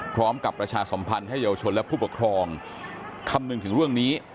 ประชาสมพันธ์ให้เยาวชนและผู้ปกครองคำนึงถึงเรื่องนี้